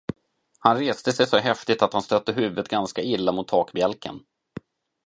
Han reste sig så häftigt att han stötte huvudet ganska illa mot takbjälken.